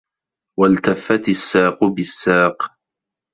وَالتَفَّتِ السّاقُ بِالسّاقِ